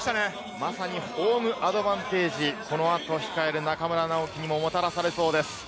まさにホームアドバンテージ、この後に控える中村直幹にも、もたらされそうです。